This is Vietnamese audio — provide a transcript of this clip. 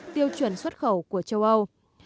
tiêu chuẩn xuất khẩu của châu âu